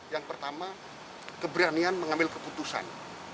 yang pertama keberanian mengambil keputusan